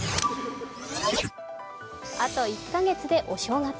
あと１カ月でお正月。